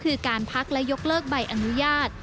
คือการพักและยกเลิกใบอนุญาต